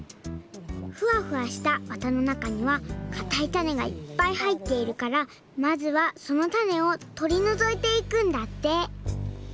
ふわふわしたわたのなかにはかたいたねがいっぱいはいっているからまずはそのたねをとりのぞいていくんだって